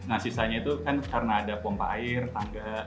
nah sisanya itu kan karena ada pompa air tangga